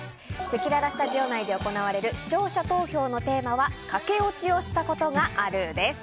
せきららスタジオ内で行われる視聴者投票のテーマは駆け落ちをしたことがあるです。